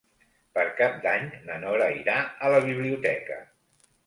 Per Cap d'Any na Nora irà a la biblioteca.